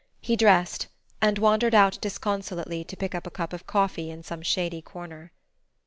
He dressed, and wandered out disconsolately to pick up a cup of coffee in some shady corner.